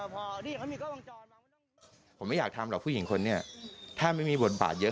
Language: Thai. พี่เขาไม่อยากทำแล้วผู้หญิงคนเนี่ยถ้าไม่มีบทบาทเยอะ